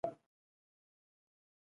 ګلان د شنو ونو تر منځ ښایسته ښکاري.